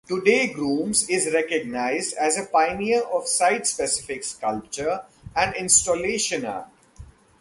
Today Grooms is recognized as a pioneer of site-specific sculpture and installation art.